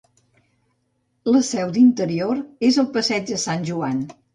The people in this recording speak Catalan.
La seu d'Interior és al passeig de Sant Joan.